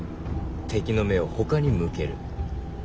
敵の目をほかに向ける。